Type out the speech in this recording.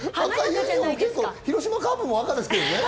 広島カープも赤ですけどね。